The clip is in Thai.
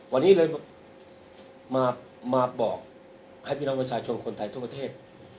วันนี้เลยมาบอกให้พี่น้องประชาชนคนไทยทั่วประเทศ